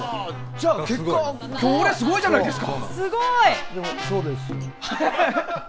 じゃあ俺すごいじゃないですか！